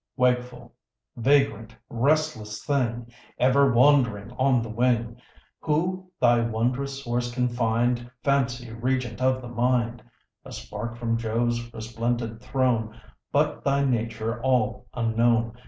Wakeful, vagrant, restless thing, Ever wandering on the wing, Who thy wondrous source can find, Fancy, regent of the mind; A spark from Jove's resplendent throne, But thy nature all unknown.